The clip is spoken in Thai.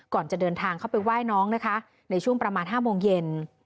ก่อนจะเดินทางเข้าไปไหว้น้องนะคะในช่วงประมาณ๕โมงเย็น